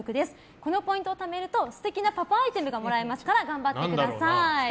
このポイントをためると素敵なパパアイテムがもらえますから頑張ってください。